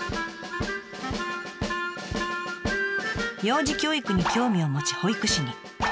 幼児教育に興味を持ち保育士に。